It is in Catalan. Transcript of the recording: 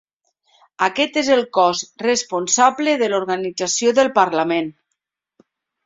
Aquest és el cos responsable de l'organització del Parlament.